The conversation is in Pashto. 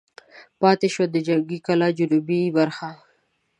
پاتې شوه د جنګي کلا جنوبي برخه.